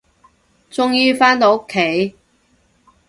終於，返到屋企